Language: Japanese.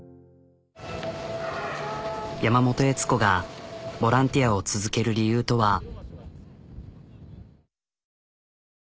山本悦子がボランティアを続ける理由とは。